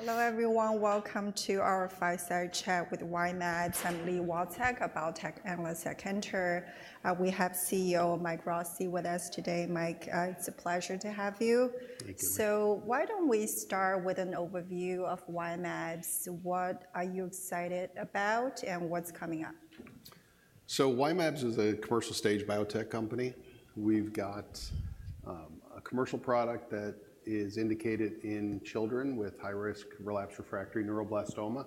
Hello, everyone. Welcome to our fireside chat with Y-mAbs. I'm Li Watsek, a biotech analyst at Cantor Fitzgerald. We have CEO Mike Rossi with us today. Mike, it's a pleasure to have you. Thank you. So why don't we start with an overview of Y-mAbs? What are you excited about, and what's coming up? So Y-mAbs is a commercial-stage biotech company. We've got a commercial product that is indicated in children with high-risk relapse refractory neuroblastoma.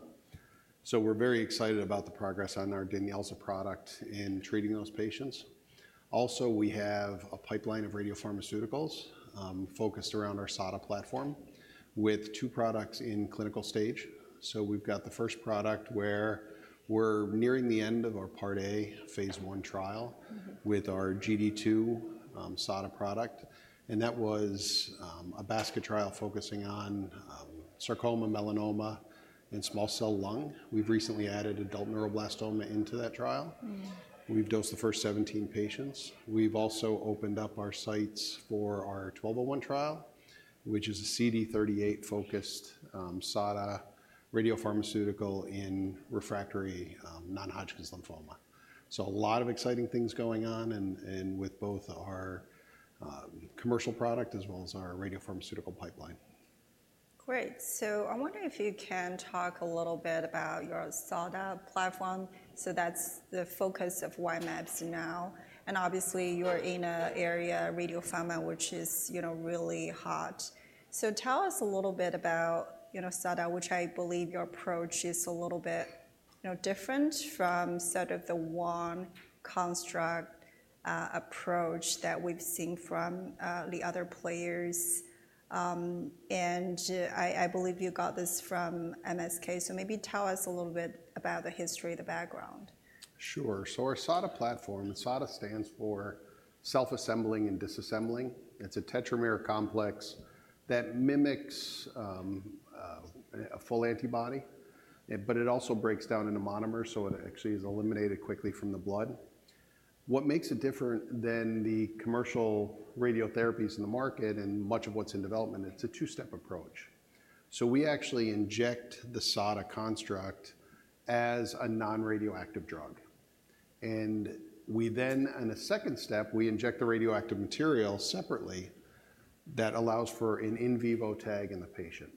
So we're very excited about the progress on our DANYELZA product in treating those patients. Also, we have a pipeline of radiopharmaceuticals focused around our SADA platform, with two products in clinical stage. So we've got the first product, where we're nearing the end of our Part A phase I trial- Mm-hmm. with our GD2 SADA product, and that was a basket trial focusing on sarcoma, melanoma, and small cell lung. We've recently added adult neuroblastoma into that trial. Mm. We've dosed the first seventeen patients. We've also opened up our sites for our 1201 trial, which is a CD38-focused SADA radiopharmaceutical in refractory non-Hodgkin's lymphoma. So a lot of exciting things going on and with both our commercial product as well as our radiopharmaceutical pipeline. Great! So I wonder if you can talk a little bit about your SADA platform. So that's the focus of Y-mAbs now, and obviously, you're in a area, radiopharma, which is, you know, really hot. So tell us a little bit about, you know, SADA, which I believe your approach is a little bit, you know, different from sort of the one construct approach that we've seen from the other players, and I believe you got this from MSK. So maybe tell us a little bit about the history, the background. Sure. So our SADA platform, SADA stands for self-assembling and disassembling. It's a tetramer complex that mimics a full antibody, but it also breaks down into monomers, so it actually is eliminated quickly from the blood. What makes it different than the commercial radiotherapies in the market and much of what's in development, it's a two-step approach. So we actually inject the SADA construct as a non-radioactive drug, and we then, on a second step, we inject the radioactive material separately. That allows for an in vivo tag in the patient.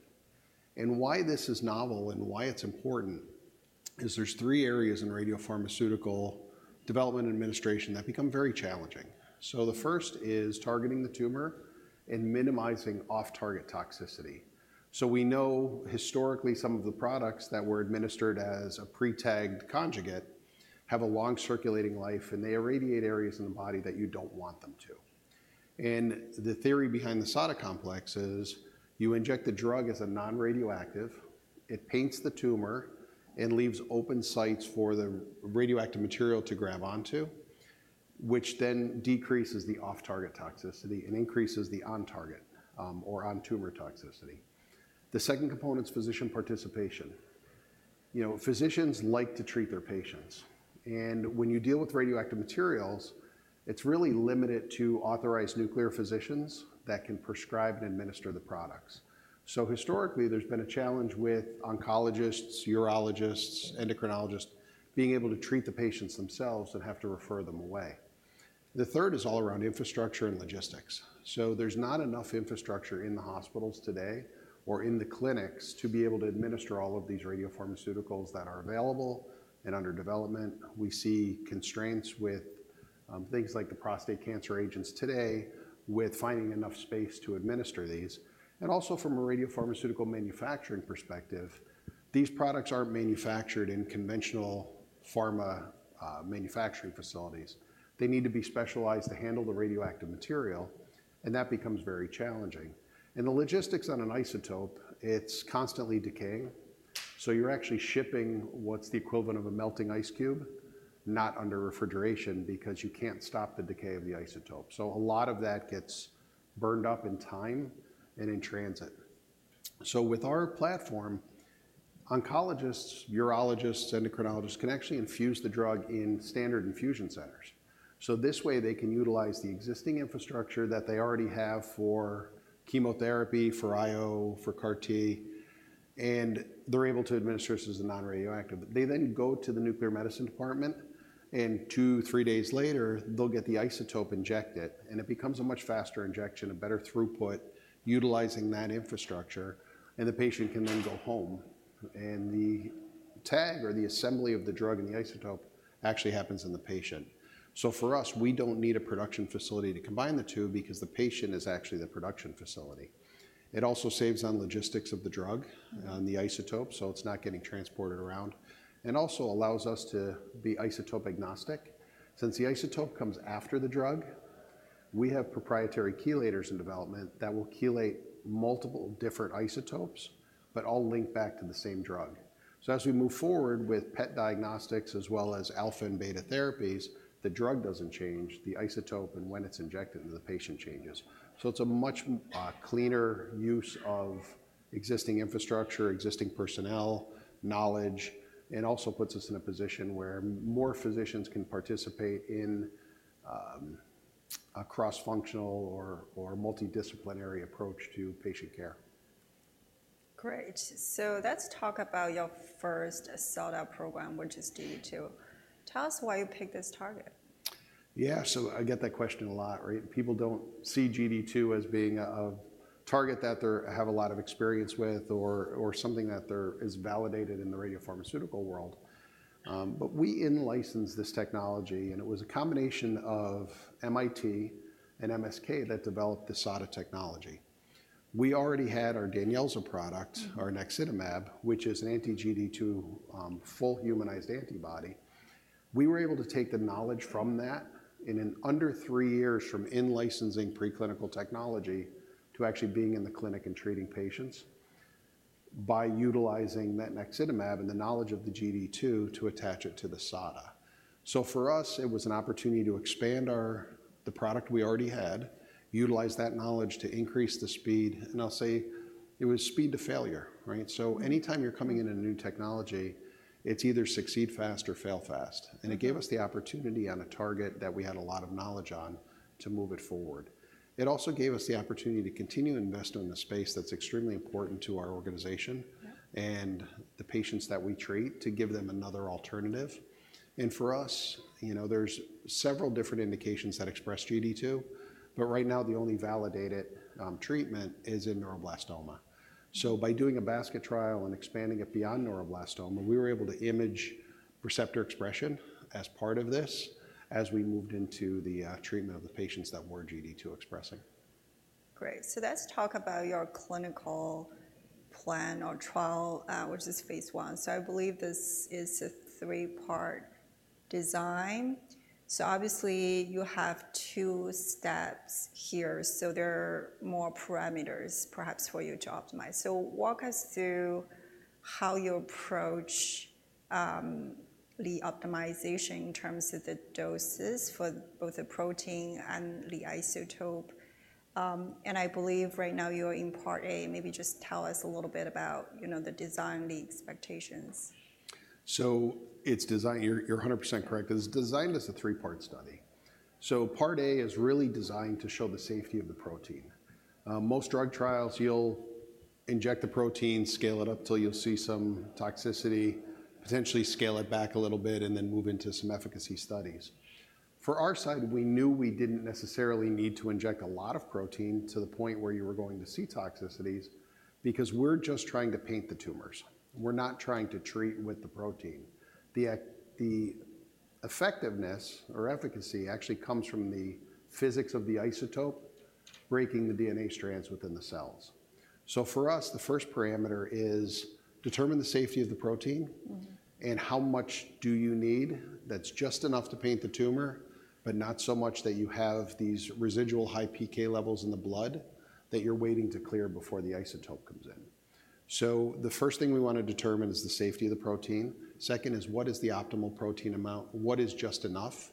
And why this is novel and why it's important is there's three areas in radiopharmaceutical development and administration that become very challenging. So the first is targeting the tumor and minimizing off-target toxicity. So we know historically some of the products that were administered as a pre-tagged conjugate have a long circulating life, and they irradiate areas in the body that you don't want them to. And the theory behind the SADA complex is, you inject the drug as a non-radioactive, it paints the tumor, and leaves open sites for the radioactive material to grab onto, which then decreases the off-target toxicity and increases the on-target, or on-tumor toxicity. The second component's physician participation. You know, physicians like to treat their patients, and when you deal with radioactive materials, it's really limited to authorized nuclear physicians that can prescribe and administer the products. So historically, there's been a challenge with oncologists, urologists, endocrinologists, being able to treat the patients themselves and have to refer them away. The third is all around infrastructure and logistics. So there's not enough infrastructure in the hospitals today or in the clinics to be able to administer all of these radiopharmaceuticals that are available and under development. We see constraints with things like the prostate cancer agents today with finding enough space to administer these. And also from a radiopharmaceutical manufacturing perspective, these products aren't manufactured in conventional pharma manufacturing facilities. They need to be specialized to handle the radioactive material, and that becomes very challenging. And the logistics on an isotope, it's constantly decaying, so you're actually shipping what's the equivalent of a melting ice cube, not under refrigeration, because you can't stop the decay of the isotope. So a lot of that gets burned up in time and in transit. So with our platform, oncologists, urologists, endocrinologists can actually infuse the drug in standard infusion centers. So this way, they can utilize the existing infrastructure that they already have for chemotherapy, for IO, for CAR-T, and they're able to administer this as a non-radioactive. They then go to the nuclear medicine department, and two, three days later, they'll get the isotope injected, and it becomes a much faster injection, a better throughput, utilizing that infrastructure, and the patient can then go home, and the tag or the assembly of the drug and the isotope actually happens in the patient. So for us, we don't need a production facility to combine the two because the patient is actually the production facility. It also saves on logistics of the drug- Mm-hmm. -on the isotope, so it's not getting transported around, and also allows us to be isotope-agnostic. Since the isotope comes after the drug, we have proprietary chelators in development that will chelate multiple different isotopes but all link back to the same drug. So as we move forward with PET diagnostics as well as alpha and beta therapies, the drug doesn't change, the isotope and when it's injected into the patient changes. So it's a much cleaner use of existing infrastructure, existing personnel, knowledge, and also puts us in a position where more physicians can participate in a cross-functional or multidisciplinary approach to patient care. Great, so let's talk about your first SADA program, which is GD2. Tell us why you picked this target. Yeah, so I get that question a lot, right? People don't see GD2 as being a target that they have a lot of experience with or something that is validated in the radiopharmaceutical world. But we in-licensed this technology, and it was a combination of MIT and MSK that developed the SADA technology. We already had our DANYELZA product- Mm. our naxitamab, which is an anti-GD2, full humanized antibody. We were able to take the knowledge from that, and in under three years from in-licensing preclinical technology to actually being in the clinic and treating patients, by utilizing that naxitamab and the knowledge of the GD2 to attach it to the SADA. So for us, it was an opportunity to expand our the product we already had, utilize that knowledge to increase the speed, and I'll say it was speed to failure, right? Mm-hmm. So anytime you're coming into a new technology, it's either succeed fast or fail fast. Mm-hmm. And it gave us the opportunity on a target that we had a lot of knowledge on to move it forward. It also gave us the opportunity to continue to invest in the space that's extremely important to our organization- Yeah... and the patients that we treat, to give them another alternative. And for us, you know, there's several different indications that express GD2, but right now, the only validated treatment is in neuroblastoma. Mm. By doing a basket trial and expanding it beyond neuroblastoma, we were able to image receptor expression as part of this, as we moved into the treatment of the patients that were GD2 expressing. Great. So let's talk about your clinical plan or trial, which is phase one. So I believe this is a three-part design. So obviously, you have two steps here, so there are more parameters perhaps for you to optimize. So walk us through how you approach the optimization in terms of the doses for both the protein and the isotope. And I believe right now you're in part A. Maybe just tell us a little bit about, you know, the design, the expectations. So it's designed. You're, you're 100% correct, because it's designed as a three-part study. So part A is really designed to show the safety of the protein. Most drug trials, you'll inject the protein, scale it up till you'll see some toxicity, potentially scale it back a little bit, and then move into some efficacy studies. For our side, we knew we didn't necessarily need to inject a lot of protein to the point where you were going to see toxicities because we're just trying to paint the tumors. We're not trying to treat with the protein. The effectiveness or efficacy actually comes from the physics of the isotope breaking the DNA strands within the cells. So for us, the first parameter is: determine the safety of the protein. Mm-hmm. and how much do you need that's just enough to paint the tumor, but not so much that you have these residual high PK levels in the blood that you're waiting to clear before the isotope comes in? So the first thing we want to determine is the safety of the protein. Second is, what is the optimal protein amount? What is just enough?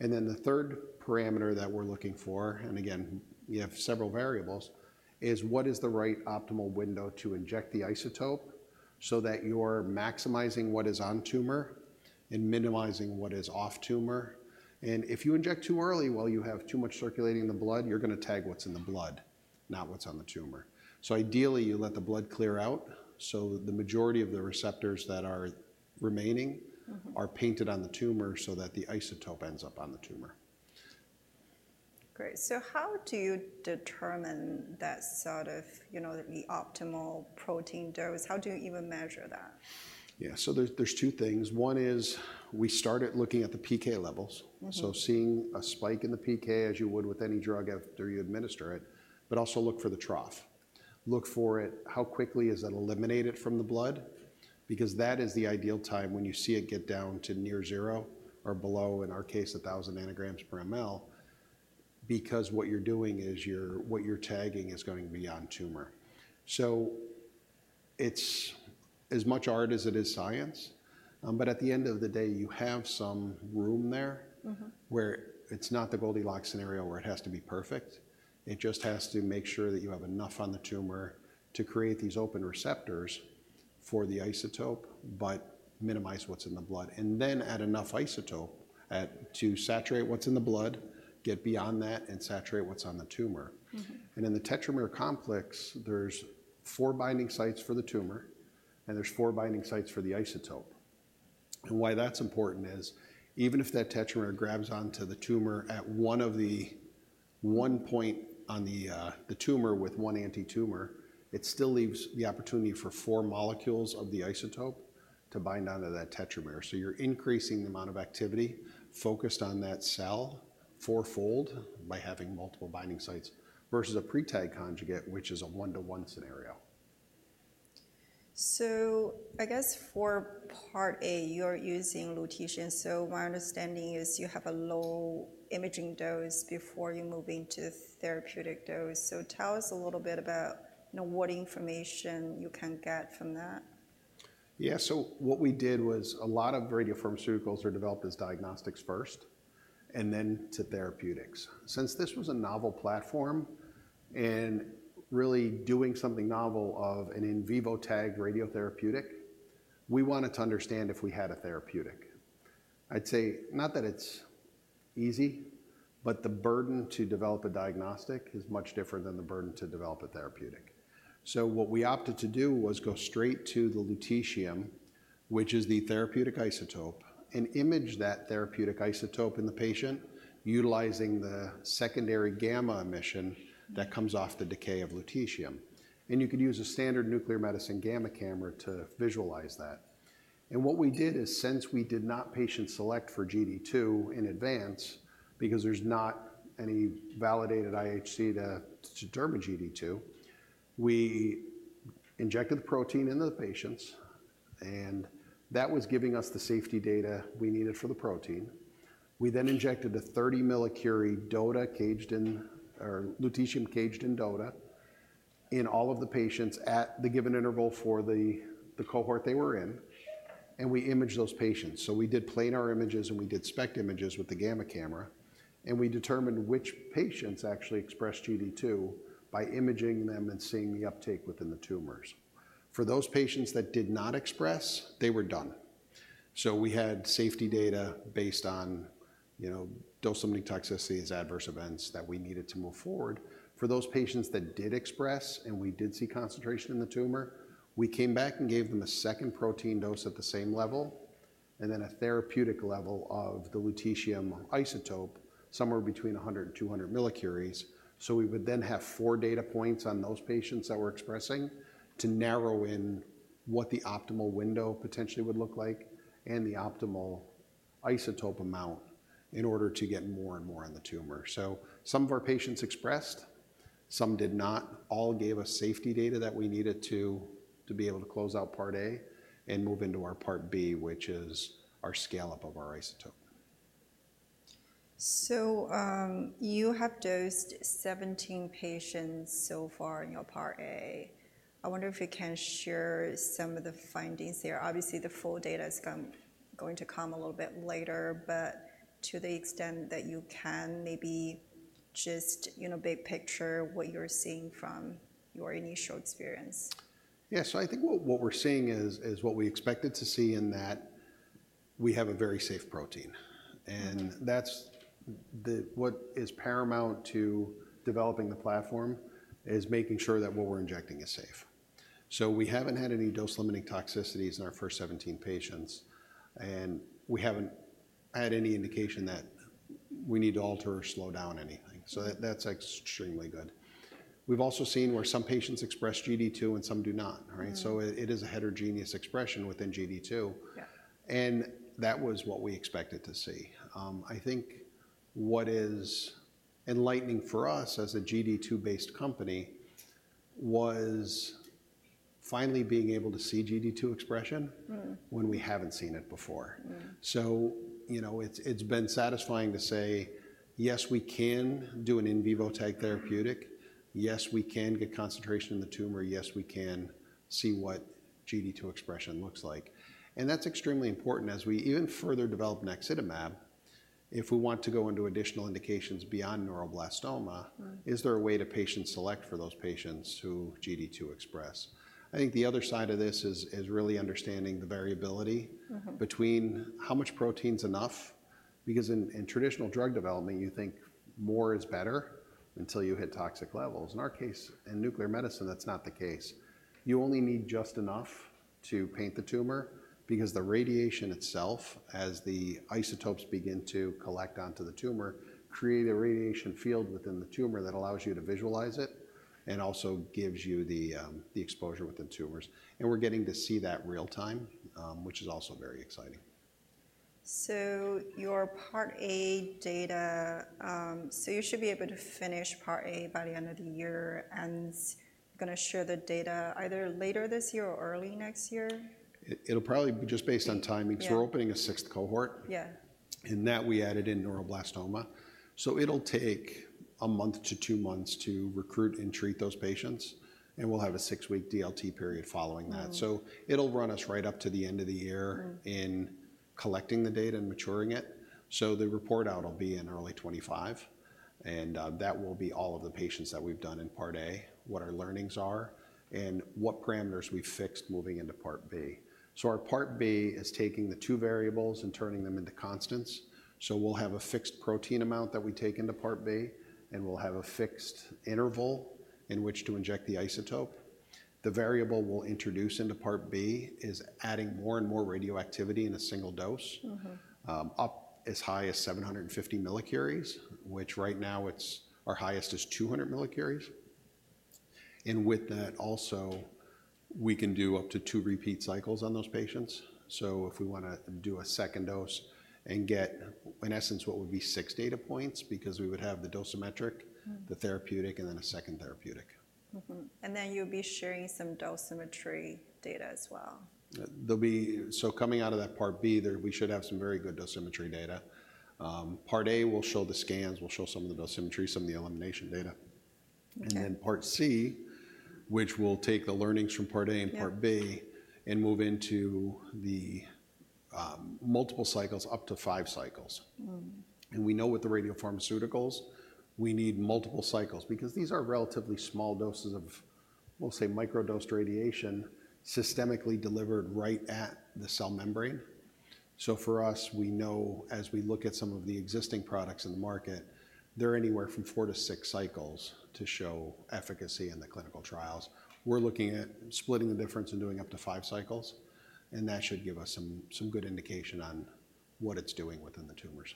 And then the third parameter that we're looking for, and again, we have several variables, is what is the right optimal window to inject the isotope so that you're maximizing what is on tumor and minimizing what is off tumor. And if you inject too early, while you have too much circulating in the blood, you're gonna tag what's in the blood, not what's on the tumor. So ideally, you let the blood clear out, so the majority of the receptors that are remaining- Mm-hmm... are painted on the tumor so that the isotope ends up on the tumor. Great. So how do you determine that sort of, you know, the optimal protein dose? How do you even measure that? Yeah, so there's two things. One is, we started looking at the PK levels. Mm-hmm. So seeing a spike in the PK, as you would with any drug after you administer it, but also look for the trough. Look for it, how quickly is it eliminated from the blood? Because that is the ideal time when you see it get down to near zero or below, in our case, a thousand nanograms per ml, because what you're doing is what you're tagging is going to be on tumor. So it's as much art as it is science, but at the end of the day, you have some room there. Mm-hmm... where it's not the Goldilocks scenario where it has to be perfect. It just has to make sure that you have enough on the tumor to create these open receptors for the isotope, but minimize what's in the blood. And then add enough isotope to saturate what's in the blood, get beyond that, and saturate what's on the tumor. Mm-hmm. In the tetramer complex, there's four binding sites for the tumor, and there's four binding sites for the isotope. And why that's important is, even if that tetramer grabs onto the tumor at one of the... one point on the, the tumor with one anti-tumor, it still leaves the opportunity for four molecules of the isotope to bind onto that tetramer. So you're increasing the amount of activity focused on that cell fourfold by having multiple binding sites, versus a pre-tagged conjugate, which is a one-to-one scenario. I guess for part A, you're using lutetium. My understanding is you have a low imaging dose before you move into therapeutic dose. Tell us a little bit about, you know, what information you can get from that. Yeah. So what we did was, a lot of radiopharmaceuticals are developed as diagnostics first and then to therapeutics. Since this was a novel platform and really doing something novel, an in vivo tagged radiotherapeutic, we wanted to understand if we had a therapeutic. I'd say, not that it's easy, but the burden to develop a diagnostic is much different than the burden to develop a therapeutic. So what we opted to do was go straight to the lutetium, which is the therapeutic isotope, and image that therapeutic isotope in the patient, utilizing the secondary gamma emission that comes off the decay of lutetium. And you could use a standard nuclear medicine gamma camera to visualize that. What we did is, since we did not patient select for GD2 in advance, because there's not any validated IHC to determine GD2, we injected the protein into the patients, and that was giving us the safety data we needed for the protein. We then injected a 30 millicurie DOTA caged in or lutetium caged in DOTA in all of the patients at the given interval for the cohort they were in, and we imaged those patients. We did planar images, and we did SPECT images with the gamma camera, and we determined which patients actually expressed GD2 by imaging them and seeing the uptake within the tumors. For those patients that did not express, they were done. We had safety data based on, you know, dose-limiting toxicities, adverse events that we needed to move forward. For those patients that did express and we did see concentration in the tumor, we came back and gave them a second protein dose at the same level, and then a therapeutic level of the lutetium isotope, somewhere between 100 and 200 millicuries. So we would then have four data points on those patients that were expressing, to narrow in what the optimal window potentially would look like and the optimal isotope amount in order to get more and more on the tumor. So some of our patients expressed, some did not. All gave us safety data that we needed to be able to close out Part A and move into our Part B, which is our scale-up of our isotope. You have dosed 17 patients so far in your Part A. I wonder if you can share some of the findings there. Obviously, the full data is going to come a little bit later, but to the extent that you can maybe just, you know, big picture, what you're seeing from your initial experience. Yeah. So I think what we're seeing is what we expected to see in that we have a very safe protein. Mm-hmm. That's what is paramount to developing the platform, is making sure that what we're injecting is safe. So we haven't had any dose-limiting toxicities in our first 17 patients, and we haven't had any indication that we need to alter or slow down anything, so that's extremely good. We've also seen where some patients express GD2 and some do not, right? Mm-hmm. It is a heterogeneous expression within GD2. Yeah. That was what we expected to see. I think what is enlightening for us as a GD2-based company was finally being able to see GD2 expression- Mm-hmm... when we haven't seen it before. Mm-hmm. So, you know, it's been satisfying to say: Yes, we can do an in vivo type therapeutic. Yes, we can get concentration in the tumor. Yes, we can see what GD2 expression looks like. And that's extremely important as we even further develop naxitamab, if we want to go into additional indications beyond neuroblastoma- Right... is there a way to patient select for those patients who express GD2? I think the other side of this is really understanding the variability- Mm-hmm... between how much protein's enough, because in traditional drug development, you think more is better until you hit toxic levels. In our case, in nuclear medicine, that's not the case. You only need just enough to paint the tumor, because the radiation itself, as the isotopes begin to collect onto the tumor, create a radiation field within the tumor that allows you to visualize it and also gives you the, the exposure within tumors. And we're getting to see that real time, which is also very exciting. So your Part A data, so you should be able to finish Part A by the end of the year and gonna share the data either later this year or early next year? It'll probably be just based on timing- Yeah... because we're opening a sixth cohort. Yeah. In that, we added in neuroblastoma. So it'll take a month to two months to recruit and treat those patients, and we'll have a six-week DLT period following that. Mm. So it'll run us right up to the end of the year. Mm... in collecting the data and maturing it. The report-out will be in early 2025, and that will be all of the patients that we've done in Part A, what our learnings are, and what parameters we've fixed moving into Part B. Our Part B is taking the two variables and turning them into constants. We'll have a fixed protein amount that we take into Part B, and we'll have a fixed interval in which to inject the isotope. The variable we'll introduce into Part B is adding more and more radioactivity in a single dose- Mm-hmm... up as high as 750 millicuries, which right now, our highest is 200 millicuries. And with that also, we can do up to two repeat cycles on those patients. So if we wanna do a second dose and get, in essence, what would be six data points, because we would have the dosimetric- Mm... the therapeutic, and then a second therapeutic. Mm-hmm. And then you'll be sharing some dosimetry data as well. So coming out of that Part B, there, we should have some very good dosimetry data. Part A will show the scans, will show some of the dosimetry, some of the elimination data. Okay. And then Part C, which will take the learnings from Part A and Part B- Yeah... and move into multiple cycles up to five cycles. Mm. We know with the radiopharmaceuticals, we need multiple cycles because these are relatively small doses of, we'll say, micro-dosed radiation systemically delivered right at the cell membrane. For us, we know as we look at some of the existing products in the market, they're anywhere from four to six cycles to show efficacy in the clinical trials. We're looking at splitting the difference and doing up to five cycles, and that should give us some good indication on what it's doing within the tumors.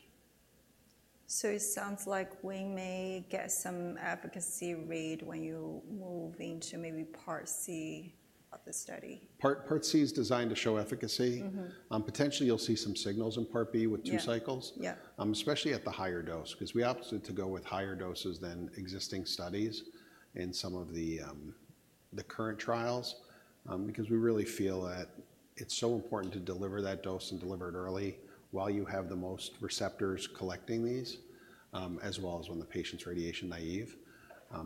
So it sounds like we may get some efficacy read when you move into maybe part C of the study. Part C is designed to show efficacy. Mm-hmm. Potentially you'll see some signals in part B with two cycles- Yeah, yeah. Especially at the higher dose, 'cause we opted to go with higher doses than existing studies in some of the current trials, because we really feel that it's so important to deliver that dose and deliver it early while you have the most receptors collecting these, as well as when the patient's radiation naive.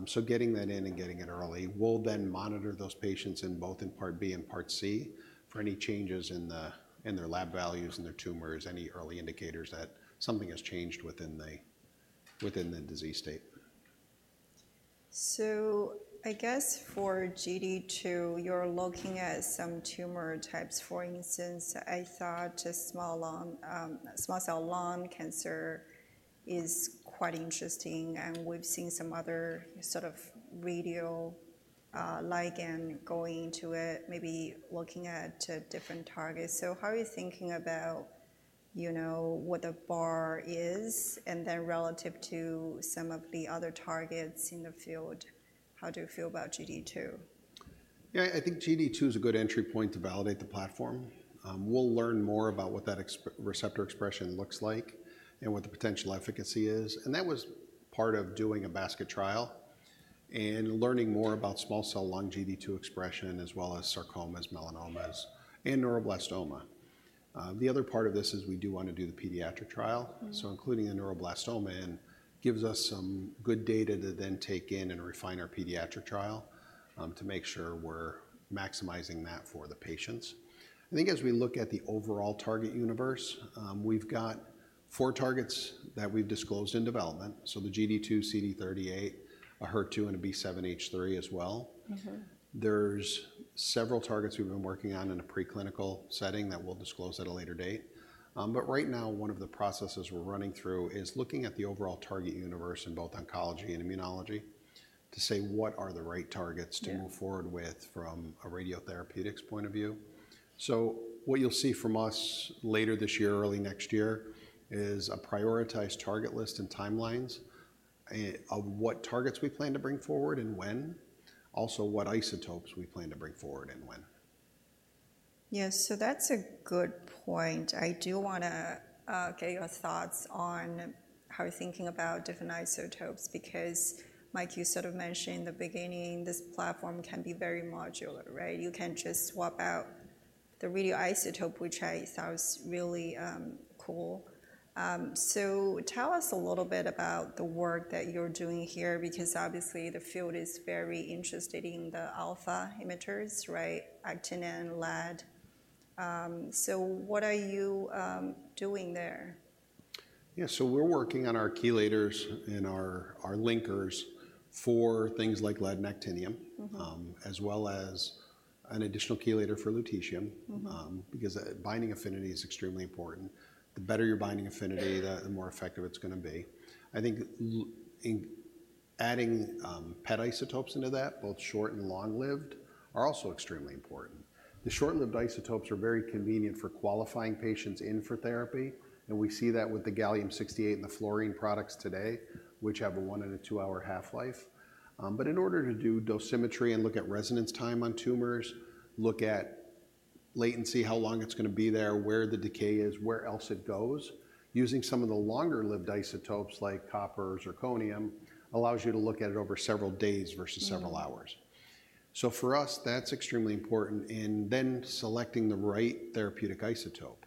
So getting that in and getting it early. We'll then monitor those patients in both part B and part C for any changes in their lab values and their tumors, any early indicators that something has changed within the disease state. I guess for GD2, you're looking at some tumor types. For instance, I thought a small cell lung cancer is quite interesting, and we've seen some other sort of radioligand going into it, maybe looking at different targets. How are you thinking about, you know, what the bar is, and then relative to some of the other targets in the field, how do you feel about GD2? Yeah, I think GD2 is a good entry point to validate the platform. We'll learn more about what that receptor expression looks like and what the potential efficacy is, and that was part of doing a basket trial and learning more about small cell lung GD2 expression, as well as sarcomas, melanomas, and neuroblastoma. The other part of this is we do want to do the pediatric trial. Mm. So including the neuroblastoma and gives us some good data to then take in and refine our pediatric trial, to make sure we're maximizing that for the patients. I think as we look at the overall target universe, we've got four targets that we've disclosed in development. So the GD2, CD38, a HER2, and a B7-H3 as well. Mm-hmm. There's several targets we've been working on in a preclinical setting that we'll disclose at a later date. But right now, one of the processes we're running through is looking at the overall target universe in both oncology and immunology to say, what are the right targets- Yeah... to move forward with from a radiotherapeutics point of view? So what you'll see from us later this year, early next year, is a prioritized target list and timelines of what targets we plan to bring forward and when. Also, what isotopes we plan to bring forward and when. Yes, so that's a good point. I do want to get your thoughts on how you're thinking about different isotopes, because, Mike, you sort of mentioned in the beginning, this platform can be very modular, right? You can just swap out the radioisotope, which I thought was really cool. So tell us a little bit about the work that you're doing here, because obviously the field is very interested in the alpha emitters, right? Actinium, Lead. So what are you doing there? Yeah, so we're working on our chelators and our linkers for things like lead and actinium- Mm-hmm... as well as an additional chelator for lutetium. Mm-hmm. Because binding affinity is extremely important. The better your binding affinity, the more effective it's going to be. I think adding PET isotopes into that, both short and long-lived, are also extremely important. The short-lived isotopes are very convenient for qualifying patients in for therapy, and we see that with the gallium-68 and the fluorine products today, which have a one and a two-hour half-life. But in order to do dosimetry and look at resonance time on tumors, look at latency, how long it's going to be there, where the decay is, where else it goes, using some of the longer-lived isotopes like copper or zirconium allows you to look at it over several days versus- Mm... several hours. So for us, that's extremely important in then selecting the right therapeutic isotope.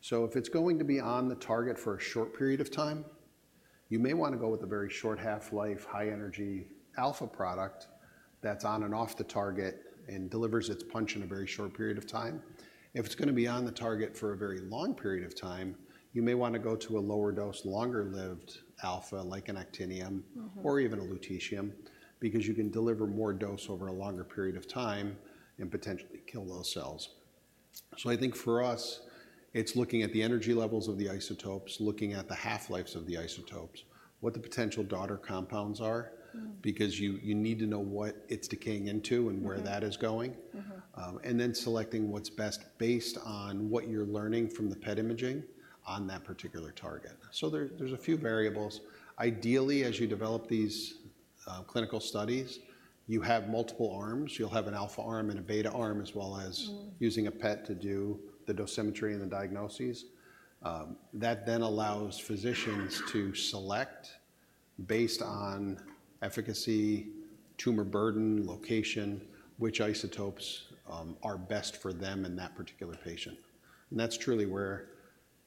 So if it's going to be on the target for a short period of time, you may want to go with a very short half-life, high energy alpha product that's on and off the target and delivers its punch in a very short period of time. If it's going to be on the target for a very long period of time, you may want to go to a lower dose, longer-lived alpha, like an Actinium- Mm-hmm... or even a lutetium, because you can deliver more dose over a longer period of time and potentially kill those cells. So I think for us, it's looking at the energy levels of the isotopes, looking at the half-lives of the isotopes, what the potential daughter compounds are- Mm... because you need to know what it's decaying into and- Mm-hmm... where that is going. Mm-hmm. And then selecting what's best based on what you're learning from the PET imaging on that particular target. So there, there's a few variables. Ideally, as you develop these clinical studies, you have multiple arms. You'll have an alpha arm and a beta arm, as well as- Mm... using a PET to do the dosimetry and the diagnoses. That then allows physicians to select, based on efficacy, tumor burden, location, which isotopes are best for them and that particular patient. And that's truly where...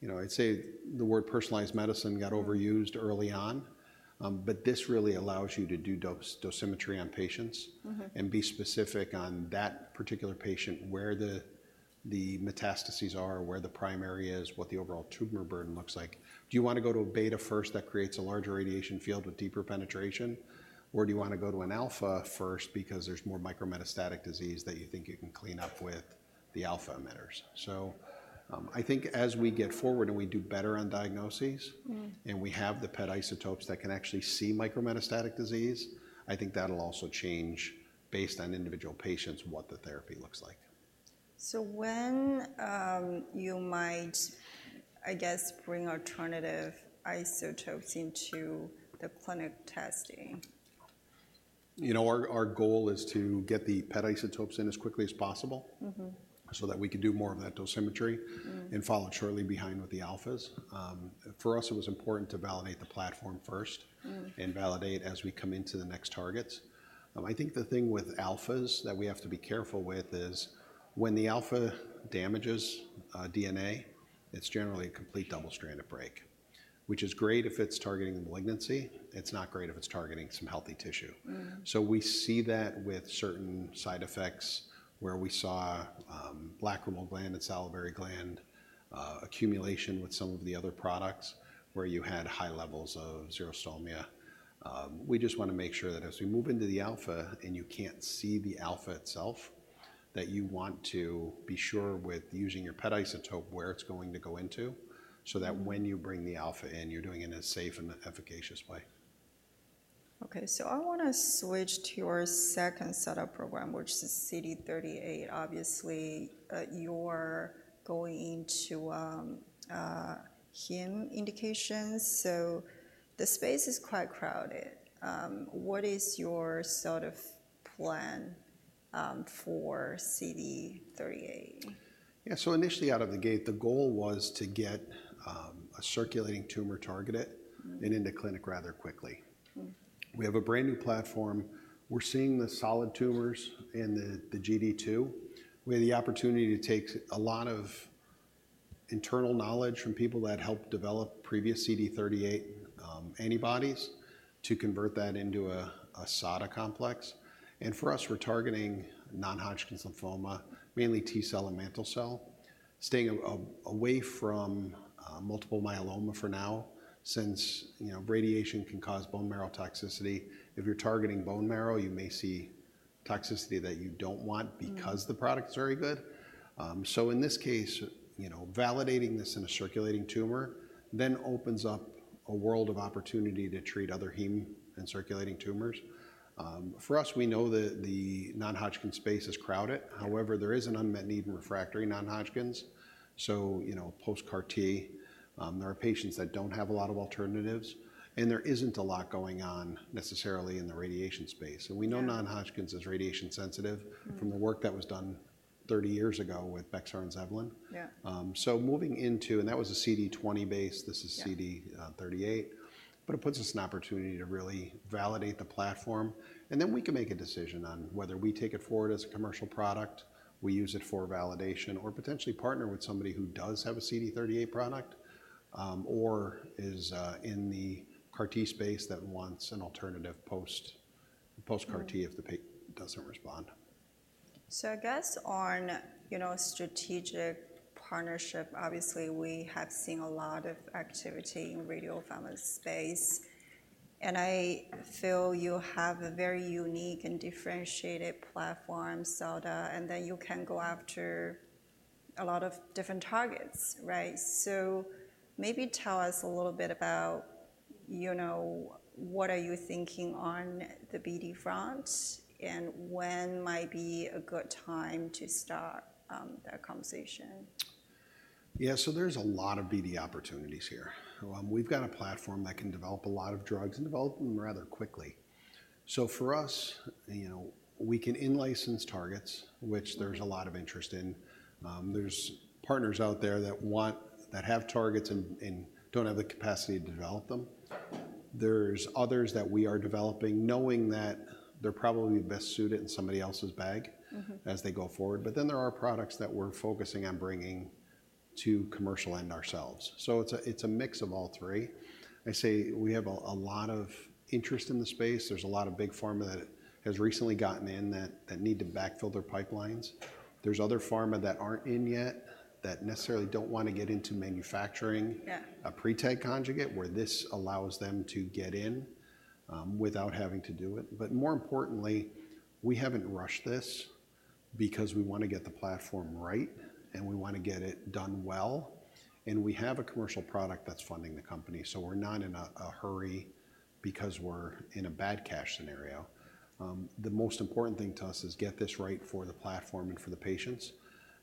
You know, I'd say the word personalized medicine got overused early on, but this really allows you to do dose, dosimetry on patients- Mm-hmm. -and be specific on that particular patient, where the metastases are, where the primary is, what the overall tumor burden looks like. Do you want to go to a beta first that creates a larger radiation field with deeper penetration? Or do you want to go to an alpha first because there's more micrometastatic disease that you think you can clean up with the alpha emitters? So, I think as we get forward and we do better on diagnoses- Mm. and we have the PET isotopes that can actually see micrometastatic disease, I think that'll also change based on individual patients, what the therapy looks like. So when, you might, I guess, bring alternative isotopes into the clinical testing? You know, our goal is to get the PET isotopes in as quickly as possible- Mm-hmm. so that we can do more of that dosimetry. Mm. -and follow shortly behind with the alphas. For us, it was important to validate the platform first- Mm And validate as we come into the next targets. I think the thing with alphas that we have to be careful with is when the alpha damages DNA, it's generally a complete double-stranded break, which is great if it's targeting the malignancy. It's not great if it's targeting some healthy tissue. Mm. So we see that with certain side effects, where we saw lacrimal gland and salivary gland accumulation with some of the other products where you had high levels of xerostomia. We just wanna make sure that as we move into the alpha and you can't see the alpha itself, that you want to be sure with using your PET isotope where it's going to go into, so that when you bring the alpha in, you're doing it in a safe and efficacious way. Okay, so I wanna switch to your second setup program, which is CD38. Obviously, you're going into heme indications, so the space is quite crowded. What is your sort of plan for CD38? Yeah. So initially out of the gate, the goal was to get a circulating tumor targeted- Mm. and into clinic rather quickly. Mm. We have a brand-new platform. We're seeing the solid tumors in the GD2. We have the opportunity to take a lot of internal knowledge from people that helped develop previous CD38 antibodies to convert that into a SADA complex. And for us, we're targeting non-Hodgkin's lymphoma, mainly T-cell and mantle cell, staying away from multiple myeloma for now, since you know, radiation can cause bone marrow toxicity. If you're targeting bone marrow, you may see toxicity that you don't want. Mm. Because the product is very good. So in this case, you know, validating this in a circulating tumor then opens up a world of opportunity to treat other heme and circulating tumors. For us, we know that the non-Hodgkin's space is crowded. Yeah. However, there is an unmet need in refractory non-Hodgkin's. So, you know, post-CAR-T, there are patients that don't have a lot of alternatives, and there isn't a lot going on necessarily in the radiation space. Yeah. We know non-Hodgkin's is radiation sensitive- Mm-hmm. -from the work that was done thirty years ago with Bexxar and Zevalin. Yeah. So, moving into... And that was a CD20 base. Yeah. This is CD38, but it puts us an opportunity to really validate the platform, and then we can make a decision on whether we take it forward as a commercial product, we use it for validation, or potentially partner with somebody who does have a CD38 product, or is in the CAR-T space that wants an alternative post-CAR-T- Mm if the patient doesn't respond. So I guess on, you know, strategic partnership, obviously, we have seen a lot of activity in radiopharmaceutical space, and I feel you have a very unique and differentiated platform, SADA, and then you can go after a lot of different targets, right? So maybe tell us a little bit about, you know, what are you thinking on the BD front, and when might be a good time to start that conversation? Yeah. So there's a lot of BD opportunities here. We've got a platform that can develop a lot of drugs and develop them rather quickly. So for us, you know, we can in-license targets- Mm which there's a lot of interest in. There's partners out there that have targets and don't have the capacity to develop them. There's others that we are developing, knowing that they're probably best suited in somebody else's bag- Mm-hmm as they go forward. But then there are products that we're focusing on bringing to commercial end ourselves. So it's a mix of all three. I say we have a lot of interest in the space. There's a lot of big pharma that has recently gotten in that need to backfill their pipelines. There's other pharma that aren't in yet that necessarily don't want to get into manufacturing- Yeah a pre-tag conjugate, where this allows them to get in without having to do it. But more importantly, we haven't rushed this because we wanna get the platform right, and we wanna get it done well, and we have a commercial product that's funding the company, so we're not in a hurry because we're in a bad cash scenario. The most important thing to us is get this right for the platform and for the patients,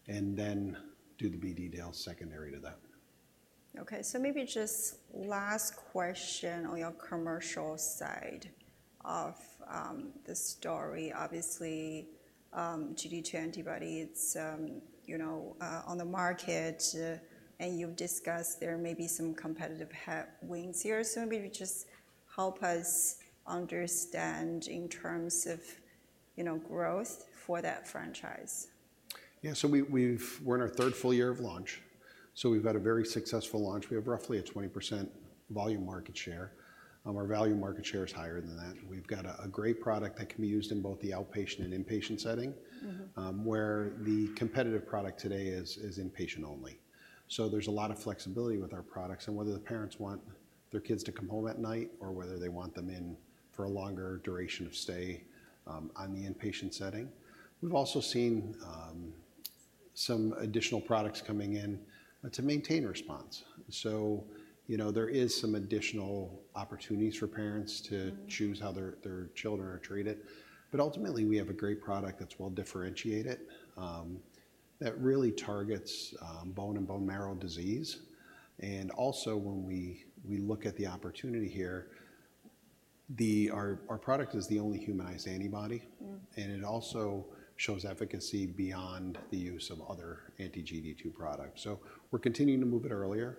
and then do the BD deal secondary to that. Okay, so maybe just last question on your commercial side of the story. Obviously, GD2 antibody, it's you know, on the market, and you've discussed there may be some competitive headwinds here. So maybe just help us understand in terms of you know, growth for that franchise? Yeah, so we've. We're in our third full year of launch, so we've had a very successful launch. We have roughly a 20% volume market share. Our value market share is higher than that. We've got a great product that can be used in both the outpatient and inpatient setting- Mm-hmm. Where the competitive product today is, is inpatient only. So there's a lot of flexibility with our products, and whether the parents want their kids to come home at night or whether they want them in for a longer duration of stay, on the inpatient setting. We've also seen, some additional products coming in to maintain response. So, you know, there is some additional opportunities for parents to- Mm-hmm... choose how their children are treated. But ultimately, we have a great product that's well differentiated, that really targets bone and bone marrow disease. And also, when we look at the opportunity here, the. Our product is the only humanized antibody. Mm. It also shows efficacy beyond the use of other anti-GD2 products. We're continuing to move it earlier,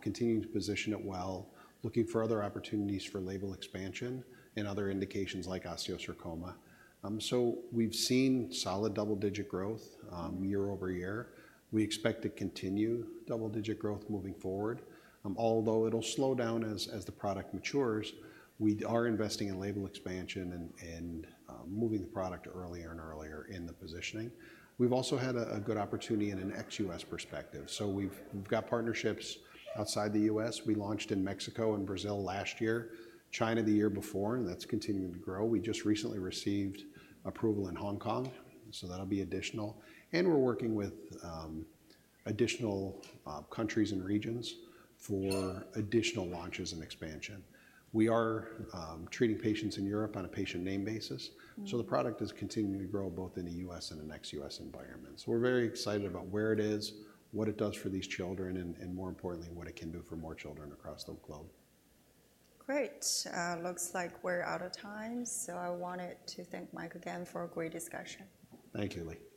continuing to position it well, looking for other opportunities for label expansion and other indications like osteosarcoma. We've seen solid double-digit growth, year-over-year. We expect to continue double-digit growth moving forward. Although it'll slow down as the product matures, we are investing in label expansion and moving the product earlier and earlier in the positioning. We've also had a good opportunity in an ex-U.S. perspective. We've got partnerships outside the U.S. We launched in Mexico and Brazil last year, China the year before, and that's continuing to grow. We just recently received approval in Hong Kong, so that'll be additional. We're working with additional countries and regions for additional launches and expansion. We are treating patients in Europe on a named-patient basis. Mm. So the product is continuing to grow both in the U.S. and the ex-U.S. environment. So we're very excited about where it is, what it does for these children, and more importantly, what it can do for more children across the globe. Great. Looks like we're out of time, so I wanted to thank Mike again for a great discussion. Thank you, Li.